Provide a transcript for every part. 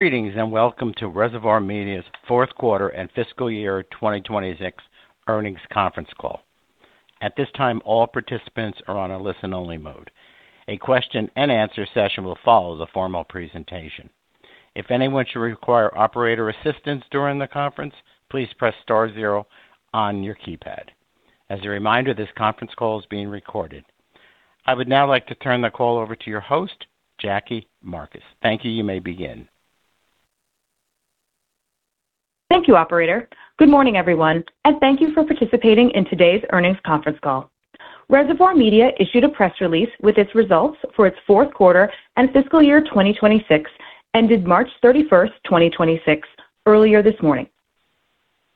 Greetings, welcome to Reservoir Media's fourth quarter and fiscal year 2026 earnings conference call. At this time, all participants are on a listen-only mode. A question-and-answer session will follow the formal presentation. If anyone should require operator assistance during the conference, please press star zero on your keypad. As a reminder, this conference call is being recorded. I would now like to turn the call over to your host, Jackie Marcus. Thank you. You may begin. Thank you, operator. Good morning, everyone, and thank you for participating in today's earnings conference call. Reservoir Media issued a press release with its results for its fourth quarter and fiscal year 2026, ended March 31st, 2026, earlier this morning.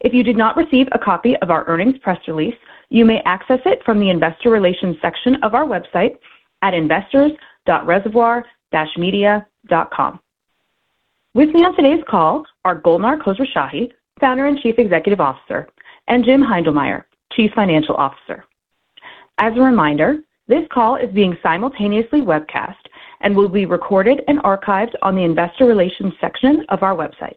If you did not receive a copy of our earnings press release, you may access it from the investor relations section of our website at investors.reservoir-media.com. With me on today's call are Golnar Khosrowshahi, Founder and Chief Executive Officer, and Jim Heindlmeyer, Chief Financial Officer. As a reminder, this call is being simultaneously webcast and will be recorded and archived on the investor relations section of our website.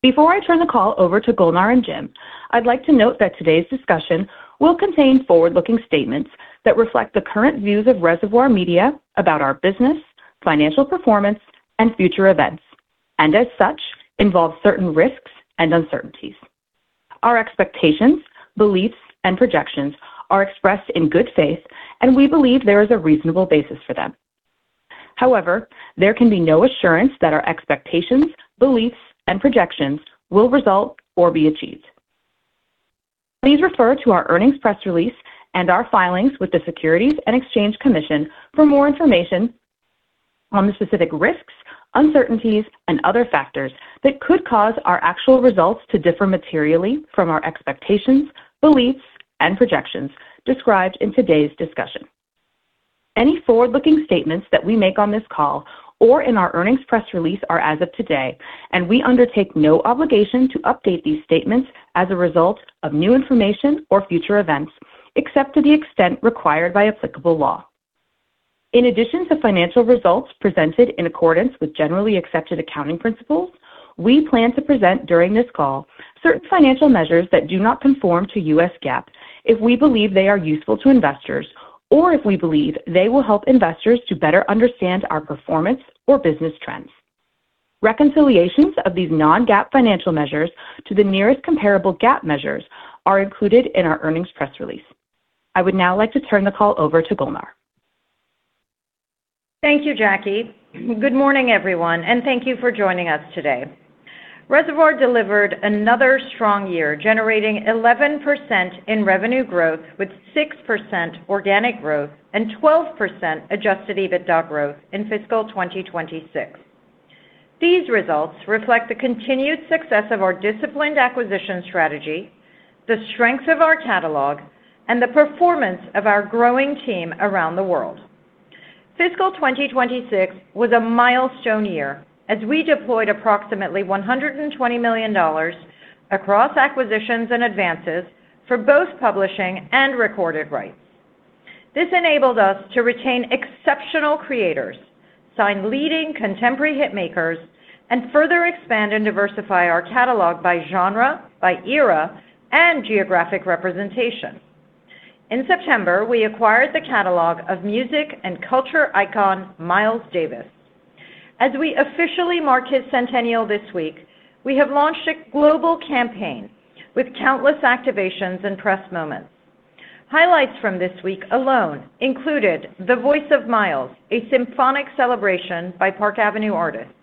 Before I turn the call over to Golnar and Jim, I'd like to note that today's discussion will contain forward-looking statements that reflect the current views of Reservoir Media about our business, financial performance, and future events, and as such, involve certain risks and uncertainties. Our expectations, beliefs, and projections are expressed in good faith, and we believe there is a reasonable basis for them. However, there can be no assurance that our expectations, beliefs, and projections will result or be achieved. Please refer to our earnings press release and our filings with the Securities and Exchange Commission for more information on the specific risks, uncertainties, and other factors that could cause our actual results to differ materially from our expectations, beliefs, and projections described in today's discussion. Any forward-looking statements that we make on this call or in our earnings press release are as of today, and we undertake no obligation to update these statements as a result of new information or future events, except to the extent required by applicable law. In addition to financial results presented in accordance with generally accepted accounting principles, we plan to present during this call certain financial measures that do not conform to US GAAP if we believe they are useful to investors or if we believe they will help investors to better understand our performance or business trends. Reconciliations of these non-GAAP financial measures to the nearest comparable GAAP measures are included in our earnings press release. I would now like to turn the call over to Golnar. Thank you, Jackie. Good morning, everyone, and thank you for joining us today. Reservoir delivered another strong year, generating 11% in revenue growth with 6% organic growth and 12% adjusted EBITDA growth in fiscal 2026. These results reflect the continued success of our disciplined acquisition strategy, the strengths of our catalog, and the performance of our growing team around the world. Fiscal 2026 was a milestone year as we deployed approximately $120 million across acquisitions and advances for both publishing and recorded rights. This enabled us to retain exceptional creators, sign leading contemporary hitmakers, and further expand and diversify our catalog by genre, by era, and geographic representation. In September, we acquired the catalog of music and culture icon Miles Davis. As we officially mark his centennial this week, we have launched a global campaign with countless activations and press moments. Highlights from this week alone included The Voice of Miles, A Symphonic Celebration by Park Avenue Artists,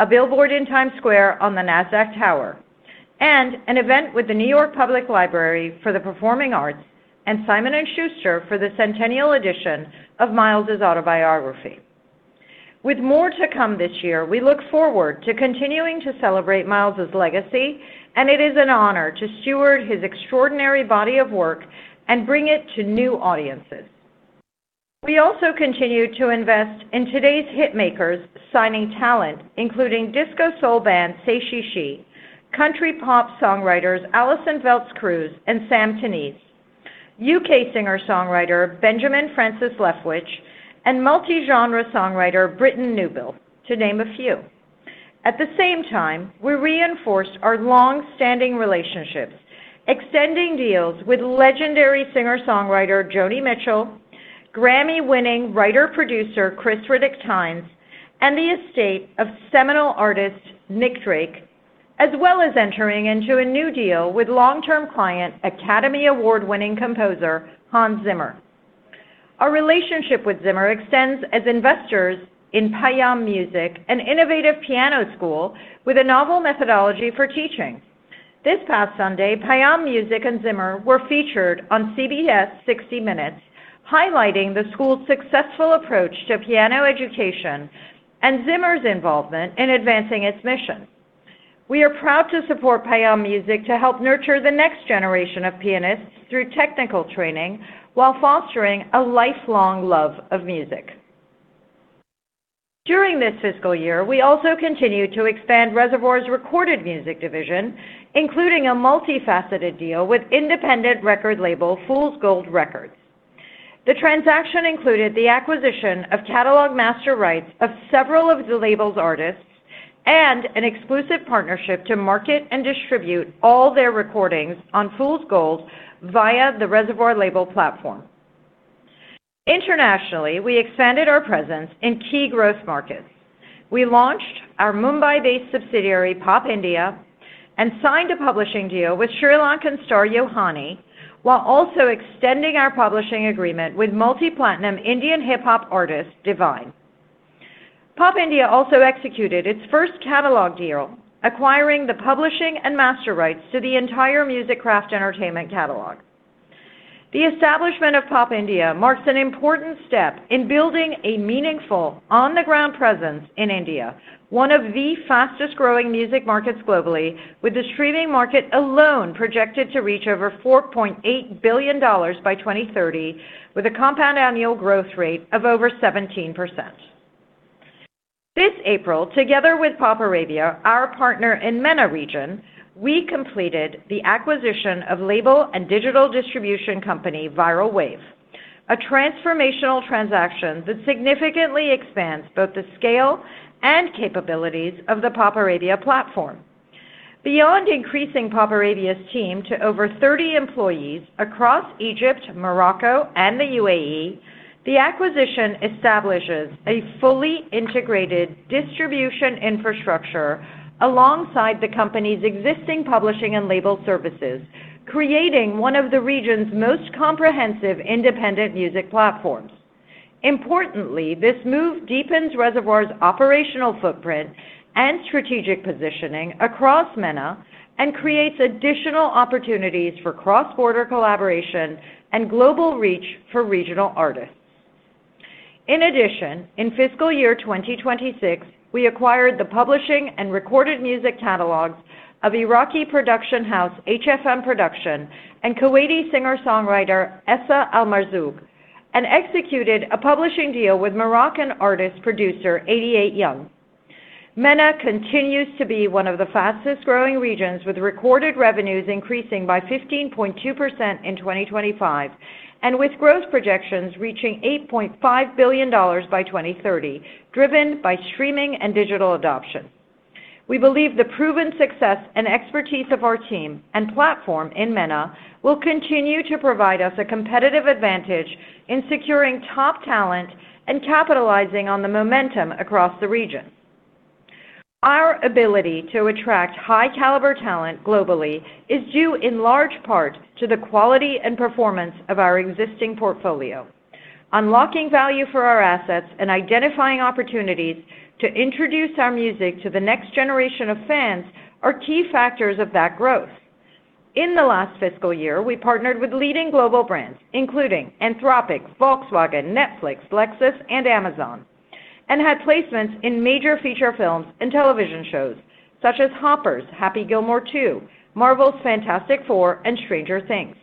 a billboard in Times Square on the Nasdaq Tower, and an event with the New York Public Library for the Performing Arts and Simon & Schuster for the centennial edition of Miles' autobiography. With more to come this year, we look forward to continuing to celebrate Miles' legacy, and it is an honor to steward his extraordinary body of work and bring it to new audiences. We also continue to invest in today's hitmakers, signing talent including disco soul band Say She She, country pop songwriters Allison Veltz Cruz and Sam Tinnesz, U.K. singer-songwriter Benjamin Francis Leftwich, and multi-genre songwriter Britten Newbill, to name a few. At the same time, we reinforced our long-standing relationships, extending deals with legendary singer-songwriter Joni Mitchell, Grammy-winning writer-producer Khris Riddick-Tynes, and the estate of seminal artist Nick Drake, as well as entering into a new deal with long-term client, Academy Award-winning composer Hans Zimmer. Our relationship with Zimmer extends as investors in Payam Music, an innovative piano school with a novel methodology for teaching. This past Sunday, Payam Music and Zimmer were featured on CBS 60 Minutes, highlighting the school's successful approach to piano education and Zimmer's involvement in advancing its mission. We are proud to support Payam Music to help nurture the next generation of pianists through technical training while fostering a lifelong love of music. During this fiscal year, we also continued to expand Reservoir's recorded music division, including a multifaceted deal with independent record label Fool's Gold Records. The transaction included the acquisition of catalog master rights of several of the label's artists and an exclusive partnership to market and distribute all their recordings on Fool's Gold via the Reservoir label platform. Internationally, we expanded our presence in key growth markets. We launched our Mumbai-based subsidiary, Pop India, and signed a publishing deal with Sri Lankan star Yohani, while also extending our publishing agreement with multi-platinum Indian hip-hop artist Divine. Pop India also executed its first catalog deal, acquiring the publishing and master rights to the entire Music Craft Entertainment catalog. The establishment of Pop India marks an important step in building a meaningful, on-the-ground presence in India, one of the fastest-growing music markets globally, with the streaming market alone projected to reach over $4.8 billion by 2030, with a compound annual growth rate of over 17%. This April, together with PopArabia, our partner in MENA region, we completed the acquisition of label and digital distribution company, Viral Wave, a transformational transaction that significantly expands both the scale and capabilities of the PopArabia platform. Beyond increasing PopArabia's team to over 30 employees across Egypt, Morocco, and the UAE, the acquisition establishes a fully integrated distribution infrastructure alongside the company's existing publishing and label services, creating one of the region's most comprehensive independent music platforms. Importantly, this move deepens Reservoir's operational footprint and strategic positioning across MENA and creates additional opportunities for cross-border collaboration and global reach for regional artists. In addition, in fiscal year 2026, we acquired the publishing and recorded music catalogs of Iraqi production house, HFM Production, and Kuwaiti singer-songwriter, Essa Almarzouq, and executed a publishing deal with Moroccan artist-producer, 88 Young. MENA continues to be one of the fastest-growing regions, with recorded revenues increasing by 15.2% in 2025 and with growth projections reaching $8.5 billion by 2030, driven by streaming and digital adoption. We believe the proven success and expertise of our team and platform in MENA will continue to provide us a competitive advantage in securing top talent and capitalizing on the momentum across the region. Our ability to attract high-caliber talent globally is due in large part to the quality and performance of our existing portfolio. Unlocking value for our assets and identifying opportunities to introduce our music to the next generation of fans are key factors of that growth. In the last fiscal year, we partnered with leading global brands including Anthropic, Volkswagen, Netflix, Lexus, and Amazon, and had placements in major feature films and television shows such as Hoppers, Happy Gilmore 2, The Fantastic Four: First Steps, and Stranger Things.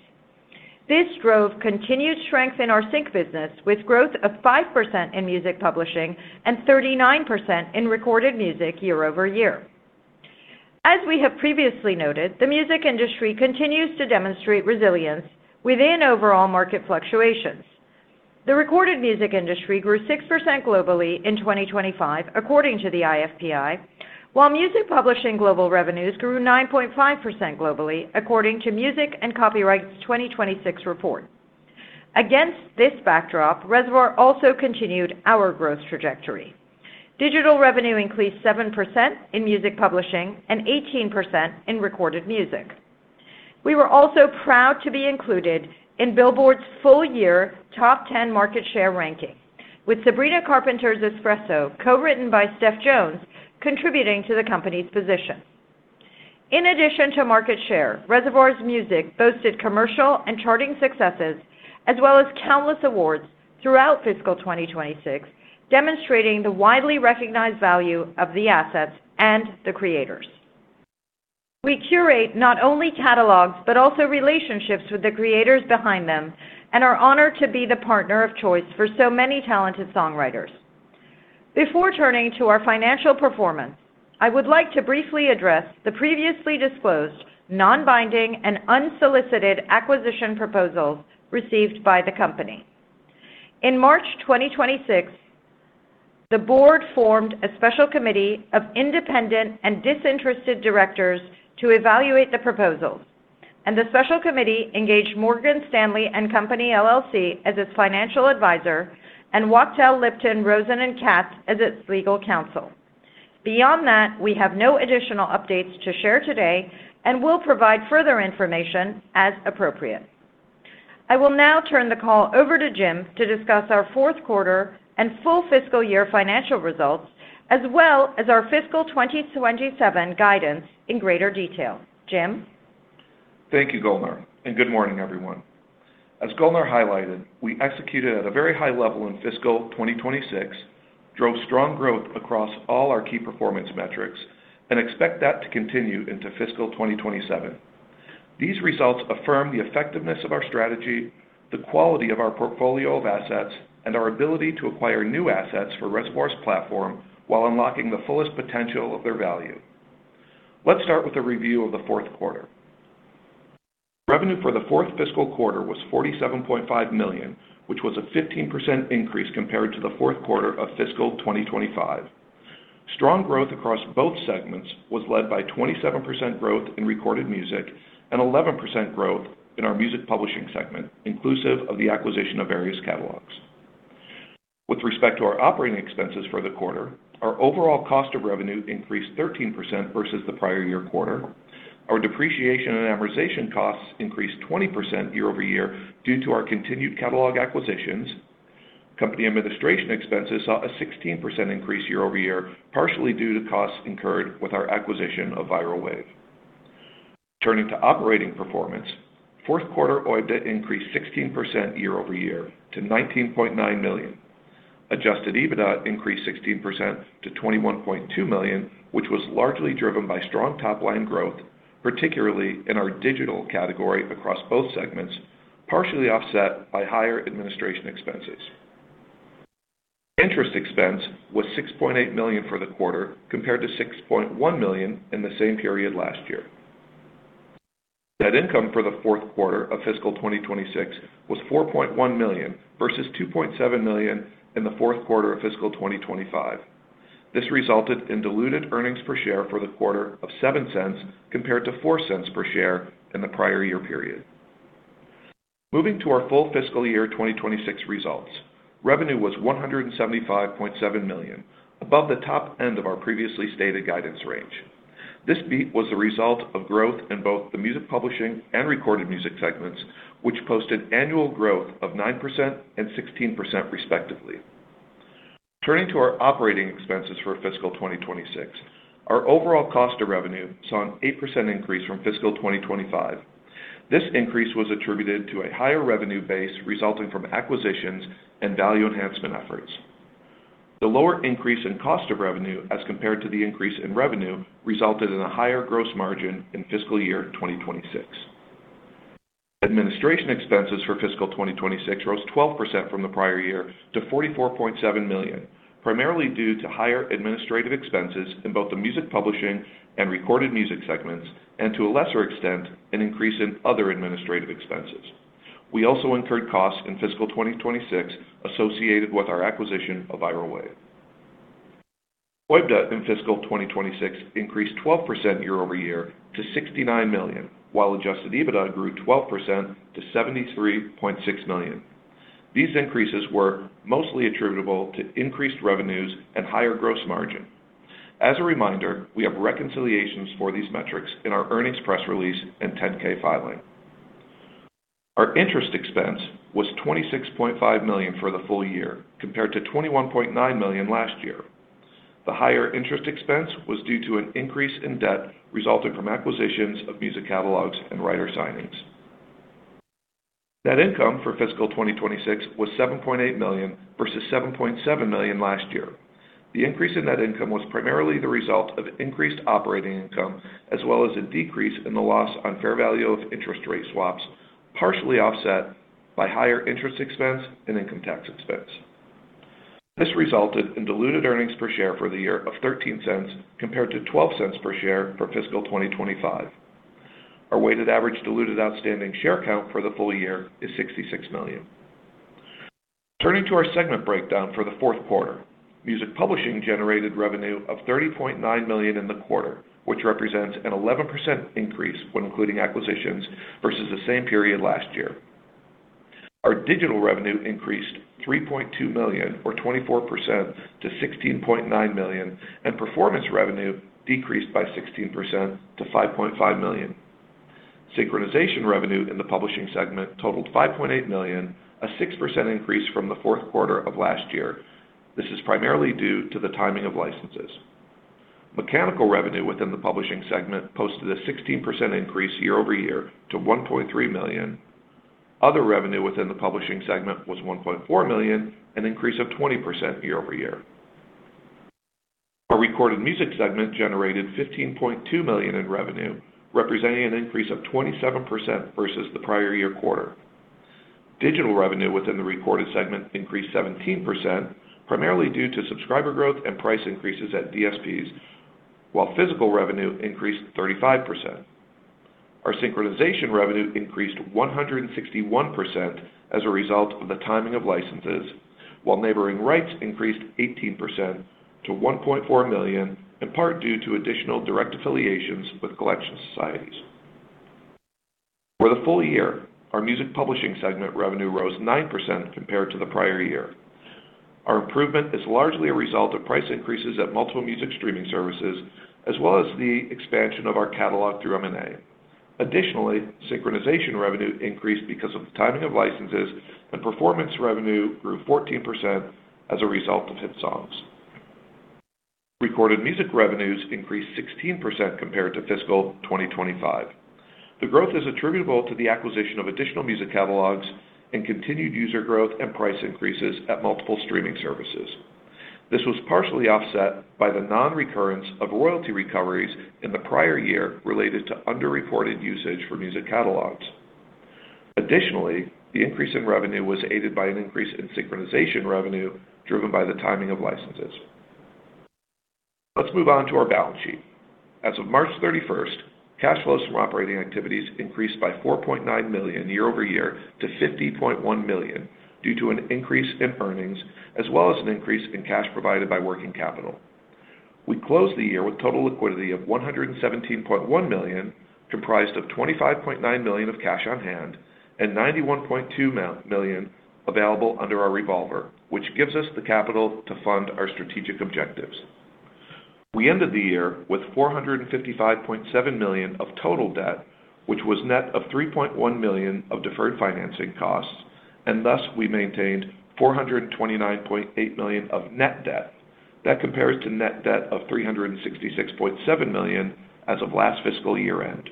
This drove continued strength in our sync business, with growth of 5% in music publishing and 39% in recorded music year over year. As we have previously noted, the music industry continues to demonstrate resilience within overall market fluctuations. The recorded music industry grew 6% globally in 2025, according to the IFPI, while music publishing global revenues grew 9.5% globally, according to Music & Copyright 2026 report. Against this backdrop, Reservoir also continued our growth trajectory. Digital revenue increased 7% in music publishing and 18% in recorded music. We were also proud to be included in Billboard's full-year Top 10 Market Share ranking, with Sabrina Carpenter's Espresso, co-written by Steph Jones, contributing to the company's position. In addition to market share, Reservoir's music boasted commercial and charting successes, as well as countless awards throughout fiscal 2026, demonstrating the widely recognized value of the assets and the creators. We curate not only catalogs, but also relationships with the creators behind them and are honored to be the partner of choice for so many talented songwriters. Before turning to our financial performance, I would like to briefly address the previously disclosed non-binding and unsolicited acquisition proposals received by the company. In March 2026, the board formed a special committee of independent and disinterested directors to evaluate the proposals, and the special committee engaged Morgan Stanley & Co. LLC as its financial advisor and Wachtell, Lipton, Rosen & Katz as its legal counsel. Beyond that, we have no additional updates to share today and will provide further information as appropriate. I will now turn the call over to Jim to discuss our fourth quarter and full fiscal year financial results, as well as our fiscal 2027 guidance in greater detail. Jim? Thank you, Golnar Khosrowshahi, and good morning, everyone. As Golnar Khosrowshahi highlighted, we executed at a very high level in fiscal 2026, drove strong growth across all our key performance metrics, and expect that to continue into fiscal 2027. These results affirm the effectiveness of our strategy, the quality of our portfolio of assets, and our ability to acquire new assets for Reservoir's platform while unlocking the fullest potential of their value. Let's start with a review of the fourth quarter. Revenue for the fourth fiscal quarter was $47.5 million, which was a 15% increase compared to the fourth quarter of fiscal 2025. Strong growth across both segments was led by 27% growth in recorded music and 11% growth in our music publishing segment, inclusive of the acquisition of various catalogs. With respect to our operating expenses for the quarter, our overall cost of revenue increased 13% versus the prior year quarter. Our depreciation and amortization costs increased 20% year-over-year due to our continued catalog acquisitions. Company administration expenses saw a 16% increase year-over-year, partially due to costs incurred with our acquisition of Viral Wave. Turning to operating performance, fourth quarter OIBDA increased 16% year-over-year to $19.9 million. Adjusted EBITDA increased 16% to $21.2 million, which was largely driven by strong top-line growth, particularly in our digital category across both segments, partially offset by higher administration expenses. Interest expense was $6.8 million for the quarter, compared to $6.1 million in the same period last year. Net income for the fourth quarter of fiscal 2026 was $4.1 million versus $2.7 million in the fourth quarter of fiscal 2025. This resulted in diluted earnings per share for the quarter of $0.07 compared to $0.04 per share in the prior year period. Moving to our full fiscal year 2026 results. Revenue was $175.7 million, above the top end of our previously stated guidance range. This beat was the result of growth in both the music publishing and recorded music segments, which posted annual growth of 9% and 16%, respectively. Turning to our operating expenses for fiscal 2026, our overall cost of revenue saw an 8% increase from fiscal 2025. This increase was attributed to a higher revenue base resulting from acquisitions and value enhancement efforts. The lower increase in cost of revenue as compared to the increase in revenue, resulted in a higher gross margin in fiscal year 2026. Administration expenses for fiscal 2026 rose 12% from the prior year to $44.7 million, primarily due to higher administrative expenses in both the music publishing and recorded music segments, and to a lesser extent, an increase in other administrative expenses. We also incurred costs in fiscal 2026 associated with our acquisition of Viral Wave. OIBDA in fiscal 2026 increased 12% year-over-year to $69 million, while adjusted EBITDA grew 12% to $73.6 million. These increases were mostly attributable to increased revenues and higher gross margin. As a reminder, we have reconciliations for these metrics in our earnings press release and 10-K filing. Our interest expense was $26.5 million for the full year, compared to $21.9 million last year. The higher interest expense was due to an increase in debt resulting from acquisitions of music catalogs and writer signings. Net income for fiscal 2026 was $7.8 million, versus $7.7 million last year. The increase in net income was primarily the result of increased operating income, as well as a decrease in the loss on fair value of interest rate swaps, partially offset by higher interest expense and income tax expense. This resulted in diluted earnings per share for the year of $0.13, compared to $0.12 per share for FY 2025. Our weighted average diluted outstanding share count for the full year is 66 million. Turning to our segment breakdown for the fourth quarter, music publishing generated revenue of $30.9 million in the quarter, which represents an 11% increase when including acquisitions versus the same period last year. Our digital revenue increased $3.2 million or 24% to $16.9 million. Performance revenue decreased by 16% to $5.5 million. Synchronization revenue in the publishing segment totaled $5.8 million, a 6% increase from the fourth quarter of last year. This is primarily due to the timing of licenses. Mechanical revenue within the publishing segment posted a 16% increase year-over-year to $1.3 million. Other revenue within the publishing segment was $1.4 million, an increase of 20% year-over-year. Our Recorded music segment generated $15.2 million in revenue, representing an increase of 27% versus the prior year quarter. Digital revenue within the Recorded segment increased 17%, primarily due to subscriber growth and price increases at DSPs, while physical revenue increased 35%. Our synchronization revenue increased 161% as a result of the timing of licenses, while neighboring rights increased 18% to $1.4 million, in part due to additional direct affiliations with collection societies. For the full year, our Music publishing segment revenue rose 9% compared to the prior year. Our improvement is largely a result of price increases at multiple music streaming services, as well as the expansion of our catalog through M&A. Additionally, synchronization revenue increased because of the timing of licenses, and performance revenue grew 14% as a result of hit songs. Recorded music revenues increased 16% compared to fiscal 2025. The growth is attributable to the acquisition of additional music catalogs and continued user growth and price increases at multiple streaming services. This was partially offset by the non-recurrence of royalty recoveries in the prior year related to under-reported usage for music catalogs. Additionally, the increase in revenue was aided by an increase in synchronization revenue, driven by the timing of licenses. Let's move on to our balance sheet. As of March 31st, cash flows from operating activities increased by $4.9 million year-over-year to $50.1 million due to an increase in earnings as well as an increase in cash provided by working capital. We closed the year with total liquidity of $117.1 million, comprised of $25.9 million of cash on hand and $91.2 million available under our revolver, which gives us the capital to fund our strategic objectives. We ended the year with $455.7 million of total debt, which was net of $3.1 million of deferred financing costs, and thus we maintained $429.8 million of net debt. That compares to net debt of $366.7 million as of last fiscal year-end.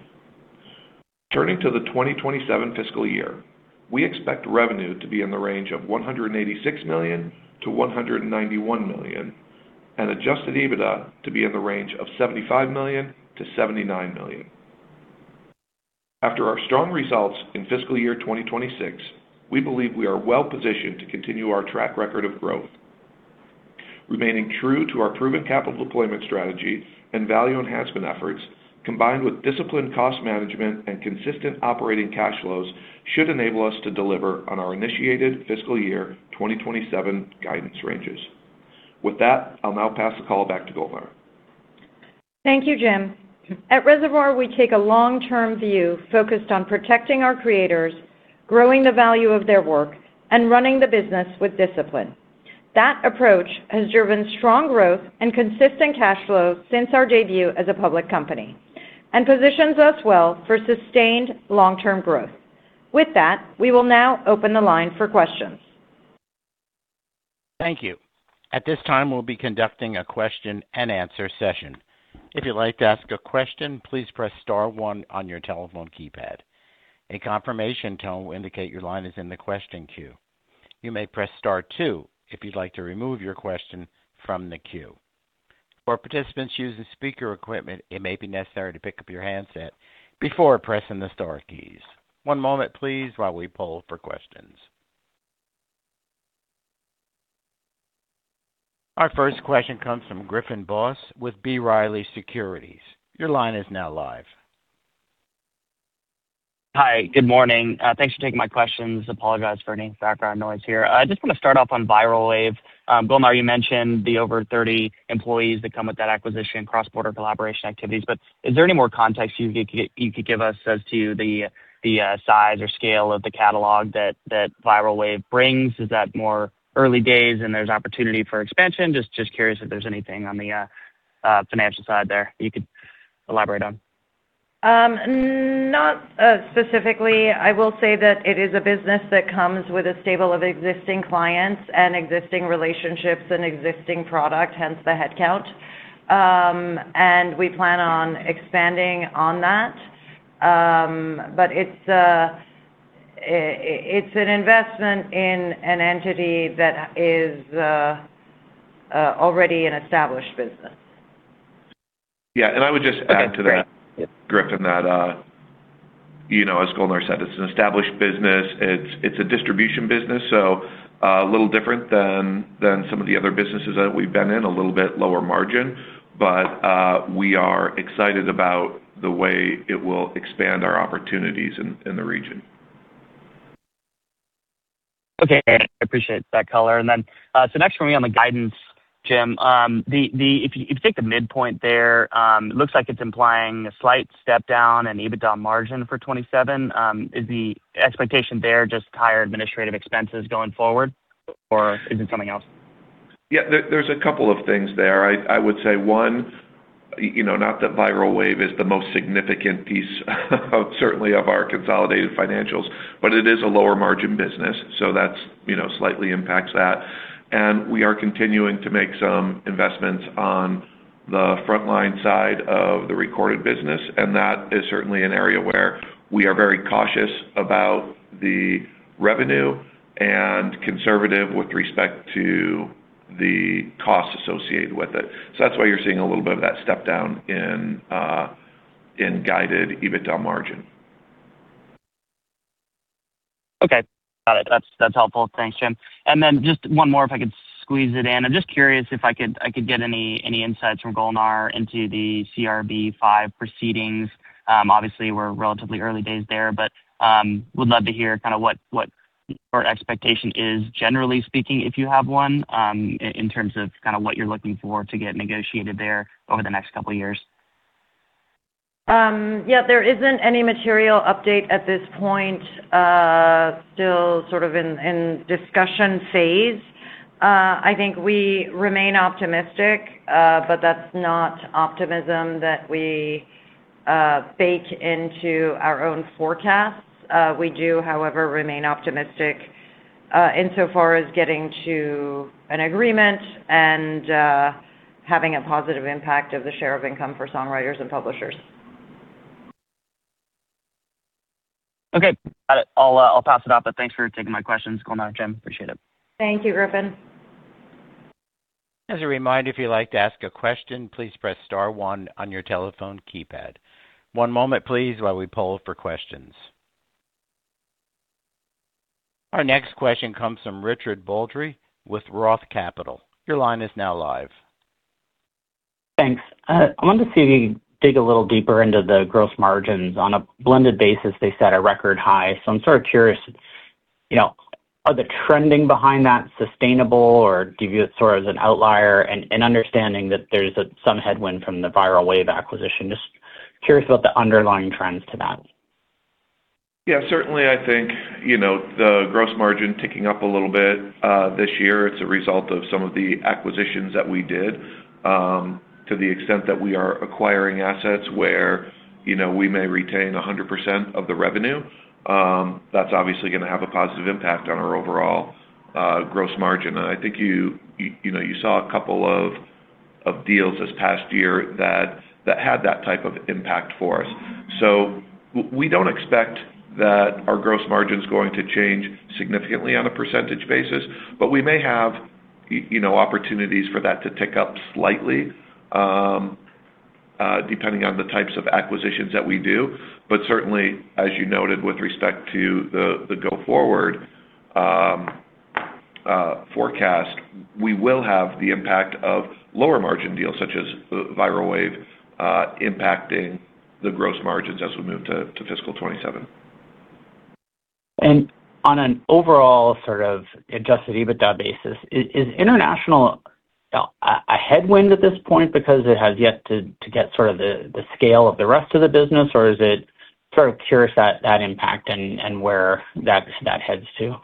Turning to the 2027 fiscal year, we expect revenue to be in the range of $186 million-$191 million and adjusted EBITDA to be in the range of $75 million-$79 million. After our strong results in fiscal year 2026, we believe we are well-positioned to continue our track record of growth. Remaining true to our proven capital deployment strategy and value enhancement efforts, combined with disciplined cost management and consistent operating cash flows, should enable us to deliver on our initiated fiscal year 2027 guidance ranges. With that, I'll now pass the call back to Golnar. Thank you, Jim. At Reservoir, we take a long-term view focused on protecting our creators, growing the value of their work, and running the business with discipline. That approach has driven strong growth and consistent cash flow since our debut as a public company and positions us well for sustained long-term growth. With that, we will now open the line for questions. Thank you. At this time, we'll be conducting a question and answer session. If you would like to ask a question, please press star one on your telephone keypad. A confirmation tone will indicate your line is in the question queue. You may press star two if you would like to remove your question from the queue. For participants using speaker equipment, it may be necessary to pick up your handset before pressing the star key. On moment please while we pull for the questions. Our first question comes from Griffin Boss with B. Riley Securities. Your line is now live. Hi. Good morning. Thanks for taking my questions. Apologize for any background noise here. I just want to start off on Viral Wave. Golnar, you mentioned the over 30 employees that come with that acquisition, cross-border collaboration activities, is there any more context you could give us as to the size or scale of the catalog that Viral Wave brings? Is that more early days and there's opportunity for expansion? Just curious if there's anything on the financial side there you could elaborate on. Not specifically. I will say that it is a business that comes with a stable of existing clients and existing relationships and existing product, hence the headcount. We plan on expanding on that. It's an investment in an entity that is already an established business. Yeah, and I would just add to that, Griffin, that as Golnar Khosrowshahi said, it's an established business. It's a distribution business, a little different than some of the other businesses that we've been in, a little bit lower margin, we are excited about the way it will expand our opportunities in the region. Okay. I appreciate that color. Next for me on the guidance, Jim, if you take the midpoint there, it looks like it's implying a slight step down in EBITDA margin for 2027. Is the expectation there just higher administrative expenses going forward, or is it something else? Yeah. There's a couple of things there. I would say one, not that Viral Wave is the most significant piece certainly of our consolidated financials, but it is a lower margin business. That slightly impacts that. We are continuing to make some investments on the frontline side of the recorded business, and that is certainly an area where we are very cautious about the revenue and conservative with respect to the costs associated with it. That's why you're seeing a little bit of that step down in guided EBITDA margin. Okay. Got it. That's helpful. Thanks, Jim. Just one more, if I could squeeze it in. I'm just curious if I could get any insights from Golnar into the CRB V proceedings. Obviously, we're relatively early days there, would love to hear what your expectation is, generally speaking, if you have one, in terms of what you're looking for to get negotiated there over the next couple of years. There isn't any material update at this point, still sort of in discussion phase. I think we remain optimistic, but that's not optimism that we bake into our own forecasts. We do, however, remain optimistic insofar as getting to an agreement and having a positive impact of the share of income for songwriters and publishers. Okay. Got it. I'll pass it off. Thanks for taking my questions, Golnar, Jim. Appreciate it. Thank you, Griffin. As a reminder, if you'd like to ask a question, please press star one on your telephone keypad. One moment please, while we poll for questions. Our next question comes from Richard Baldry with Roth Capital. Your line is now live. Thanks. I wanted to dig a little deeper into the gross margins. On a blended basis, they set a record high. I'm sort of curious, are the trends behind that sustainable or do you view it sort of as an outlier and understanding that there's some headwind from the Viral Wave acquisition? Just curious about the underlying trends to that. Yeah, certainly, I think, the gross margin ticking up a little bit, this year, it's a result of some of the acquisitions that we did. To the extent that we are acquiring assets where we may retain 100% of the revenue, that's obviously going to have a positive impact on our overall gross margin. I think you saw a couple of deals this past year that had that type of impact for us. We don't expect that our gross margin's going to change significantly on a percentage basis, but we may have opportunities for that to tick up slightly, depending on the types of acquisitions that we do. Certainly, as you noted with respect to the go forward forecast, we will have the impact of lower margin deals such as Viral Wave, impacting the gross margins as we move to fiscal 2027. On an overall sort of adjusted EBITDA basis, is international a headwind at this point because it has yet to get sort of the scale of the rest of the business, or is it sort of curious that impact and where that heads to?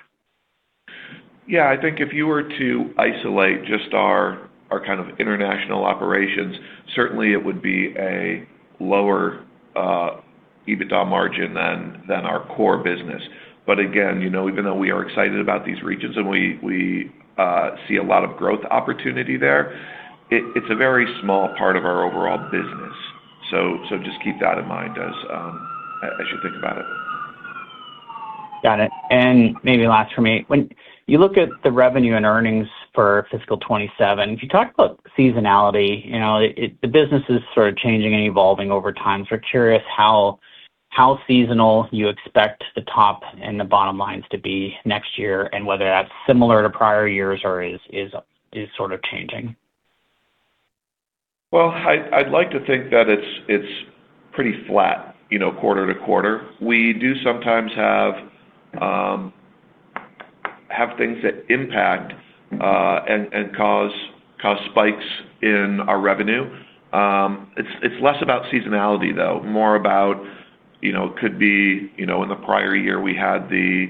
Yeah, I think if you were to isolate just our kind of international operations, certainly it would be a lower EBITDA margin than our core business. Again, even though we are excited about these regions and we see a lot of growth opportunity there, it's a very small part of our overall business. Just keep that in mind as you think about it. Got it. Maybe last for me, when you look at the revenue and earnings for fiscal 2027, if you talk about seasonality, the business is sort of changing and evolving over time. Curious how seasonal you expect the top and the bottom lines to be next year, and whether that's similar to prior years or is sort of changing. Well, I'd like to think that it's pretty flat quarter to quarter. We do sometimes have things that impact and cause spikes in our revenue. It's less about seasonality, though, more about, could be in the prior year, we had the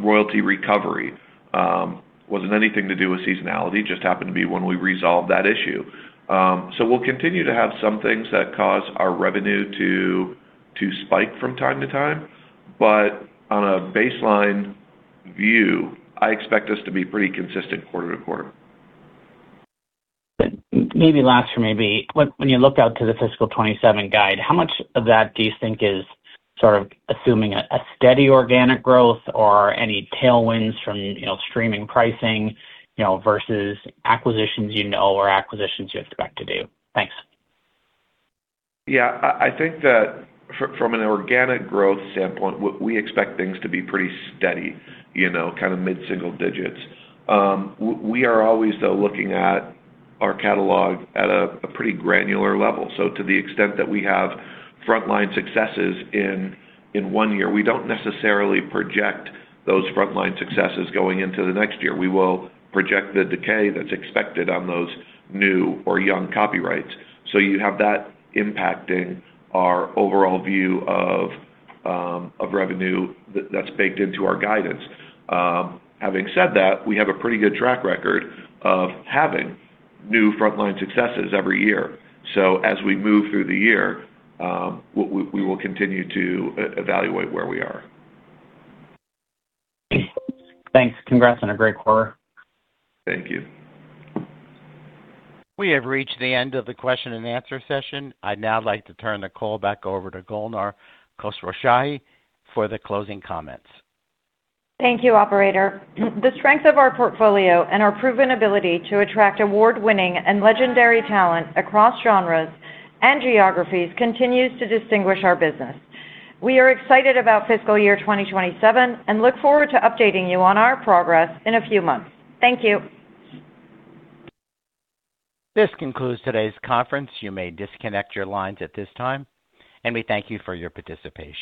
royalty recovery. Wasn't anything to do with seasonality, just happened to be when we resolved that issue. We'll continue to have some things that cause our revenue to spike from time to time. On a baseline view, I expect us to be pretty consistent quarter to quarter. Maybe last for me, when you look out to the fiscal 2027 guide, how much of that do you think is sort of assuming a steady organic growth or any tailwinds from streaming pricing, versus acquisitions you know or acquisitions you expect to do? Thanks. Yeah, I think that from an organic growth standpoint, we expect things to be pretty steady, kind of mid-single digits. We are always, though, looking at our catalog at a pretty granular level. To the extent that we have frontline successes in one year, we don't necessarily project those frontline successes going into the next year. We will project the decay that's expected on those new or young copyrights. You have that impacting our overall view of revenue that's baked into our guidance. Having said that, we have a pretty good track record of having new frontline successes every year. As we move through the year, we will continue to evaluate where we are. Thanks. Congrats on a great quarter. Thank you. We have reached the end of the question and answer session. I'd now like to turn the call back over to Golnar Khosrowshahi for the closing comments. Thank you, operator. The strength of our portfolio and our proven ability to attract award-winning and legendary talent across genres and geographies continues to distinguish our business. We are excited about fiscal year 2027, and look forward to updating you on our progress in a few months. Thank you. This concludes today's conference. You may disconnect your lines at this time. We thank you for your participation.